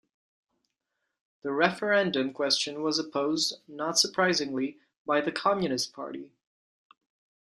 The referendum question was opposed, not surprisingly, by the Communist Party.